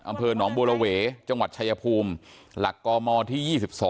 อำเภอหนองบัวระเวจังหวัดชายภูมิหลักกมที่๒๒